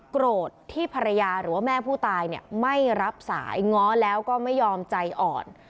โกรธที่ภรรยาหรือว่าแม่ผู้ตายไม่รับสายง้อแล้วก็ไม่ยอมใจอ่อน